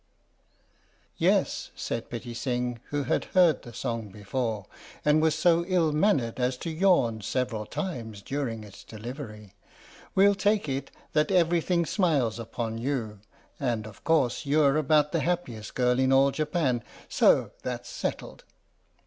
" Yes," said Pitti Sing, who had heard the song before, and was so ill mannered as to yawn several times during its delivery, "we'll take it that every thing smiles upon you, and of course you're about the happiest girl in all Japan, so that 's settled."